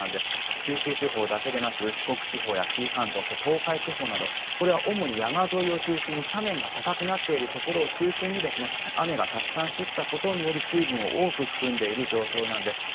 九州地方だけでなく四国地方や紀伊半島そして東海地方などこれは主に山沿いを中心に斜面が高くなっているところを中心に雨がたくさん降ったことにより水分を多く含んでいる状況なんです。